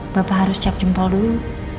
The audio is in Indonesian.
bapak harus cek jempol dulu